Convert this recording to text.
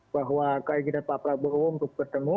bahwa keinginan pak prabowo untuk bertemu